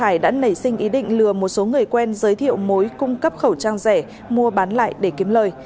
ý định lừa một số người quen giới thiệu mối cung cấp khẩu trang rẻ mua bán lại để kiếm lời